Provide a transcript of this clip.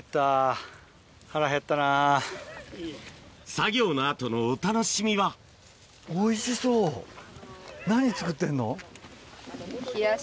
作業の後のお楽しみは何作ってんの？